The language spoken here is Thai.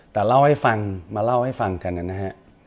แต่เล่าให้ฟังมาเล่าให้ฟังกันนะฮะ